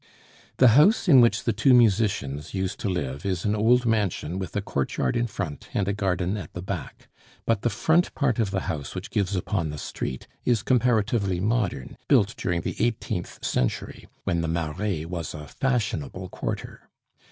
The house in which the two musicians used to live is an old mansion with a courtyard in front and a garden at the back; but the front part of the house which gives upon the street is comparatively modern, built during the eighteenth century when the Marais was a fashionable quarter.